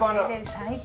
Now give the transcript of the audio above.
最高！